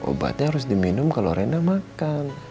obatnya harus diminum kalau renda makan